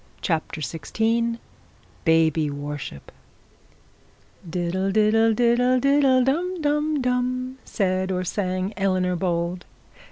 CHAPTER XVI BABY WORSHIP 'Diddle, diddle, diddle, diddle, dum, dum, dum,' said, or sung Eleanor Bold.